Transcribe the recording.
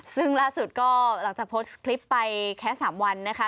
ซึ่งล่าสุดก็หลังจากโพสต์คลิปไปแค่๓วันนะคะ